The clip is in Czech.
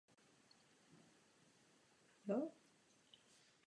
Různorodost španělštiny v Americe je obrovská.